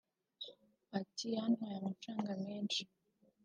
Ati « Yantwaye amafaranga menshi